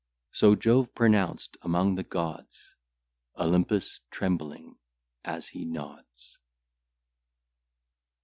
So Jove pronounced among the gods, Olympus trembling as he nods.